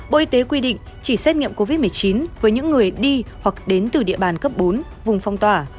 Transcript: bộ y tế quy định chỉ xét nghiệm covid một mươi chín với những người đi hoặc đến từ địa bàn cấp bốn vùng phong tỏa